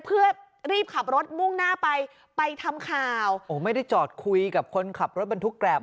เพื่อรีบขับรถมุ่งหน้าไปไปทำข่าวโอ้ไม่ได้จอดคุยกับคนขับรถบรรทุกแกรบ